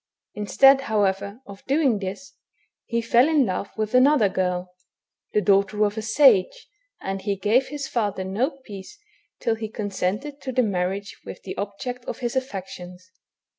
Instead, however, of doing this, he fell in love with another girl. 252 THE BOOK OF WERE WOLVES. the daughter of a sage, and he gave his father no peace till he consented to the marriage with the ohject of his affections.